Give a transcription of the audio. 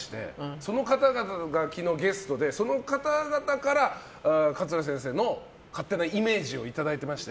その方々が昨日ゲストでその方々から桂先生の勝手なイメージをいただいていまして。